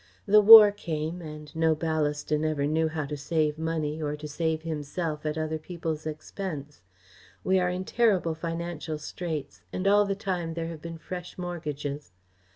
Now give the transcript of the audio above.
The war came and no Ballaston ever knew how to save money, or to save himself at other people's expense. We are in terrible financial straits, and all the time there have been fresh mortgages.